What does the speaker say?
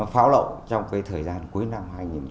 pháo lậu trong thời gian cuối năm hai nghìn một mươi chín